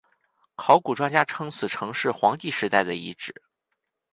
考古专家称此城是黄帝时代的遗址。